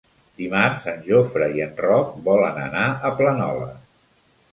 Dimarts en Jofre i en Roc volen anar a Planoles.